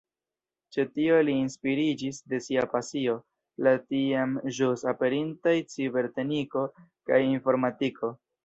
Ĉe tio li inspiriĝis de sia pasio, la tiam ĵus aperintaj cibernetiko kaj informatiko.